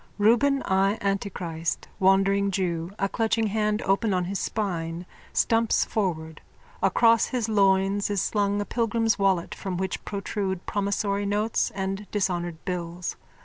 _(Reuben J Antichrist, wandering jew, a clutching hand open on his spine, stumps forward. Across his loins is slung a pilgrim's wallet from which protrude promissory notes and dishonoured bills.